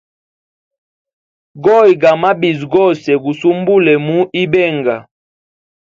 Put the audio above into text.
Goya ga mabizi gose gu sumbule mu ibenga.